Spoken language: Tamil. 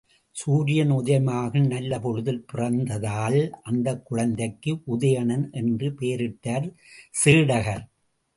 சூரியன் உதயமாகும் நல்ல பொழுதில் பிறந்ததால் அந்தக் குழந்தைக்கு உதயணன் என்று பெயரிட்டார் சேடகர்.